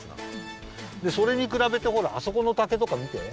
でそれにくらべてほらあそこの竹とかみて。